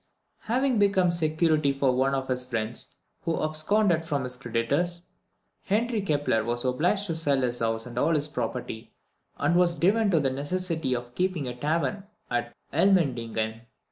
Having become security for one of his friends, who absconded from his creditors, Henry Kepler was obliged to sell his house and all his property, and was driven to the necessity of keeping a tavern at Elmendingen.